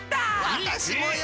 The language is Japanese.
わたしもよ！